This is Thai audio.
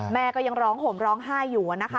แม่ก็ยังร้องห่มร้องไห้อยู่นะคะ